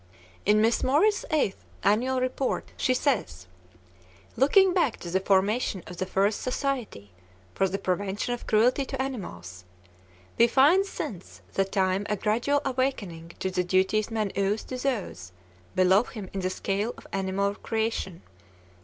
In Miss Morris's eighth annual report she says: "Looking back to the formation of the first society for the prevention of cruelty to animals, we find since that time a gradual awakening to the duties man owes to those below him in the scale of animal creation.